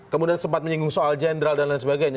kemudian sempat menyinggung soal jenderal dan lain sebagainya